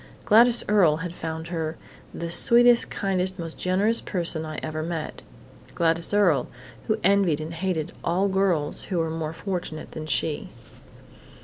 Gladys Earle had found her "the sweetest, kindest, most generous person I ever met" Gladys Earle, who envied and hated all girls who were more fortunate than she.